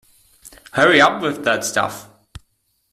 Hurry up with that stuff.